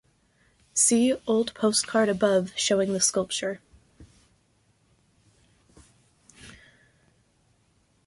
See old postcard above showing the sculpture.